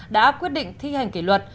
đã quyết định thi hành kỷ luật